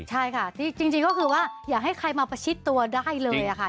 ใช่ค่ะจริงก็คือว่าอย่าให้ใครมาประชิดตัวได้เลยค่ะ